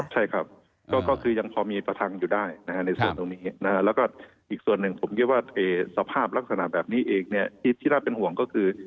ใช่ครับก็คือยังพอมีประทังอยู่ได้ในส่วนตรงนี้แล้วก็อีกส่วนหนึ่งผมคิดว่าสภาพลักษณะแบบนี้เองที่น่าเป็นห่วงก็คือ